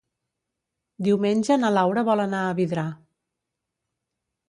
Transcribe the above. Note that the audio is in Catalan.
Diumenge na Laura vol anar a Vidrà.